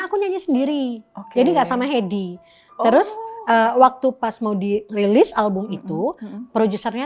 aku nyanyi sendiri jadi enggak sama headi terus waktu pas mau dirilis album itu producernya